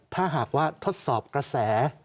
ถ้าหากว่าทดสอบกระแส